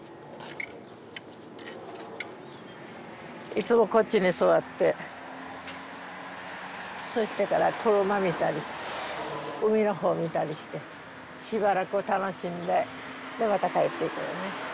いつもこっちに座ってそしてから車見たり海の方を見たりしてしばらく楽しんででまた帰っていくのね。